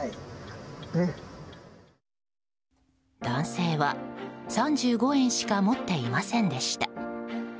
男性は３５円しか持っていませんでした。